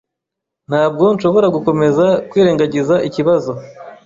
Ntabwo nshobora gukomeza kwirengagiza ikibazo.